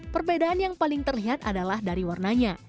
perbedaan yang paling terlihat adalah dari warnanya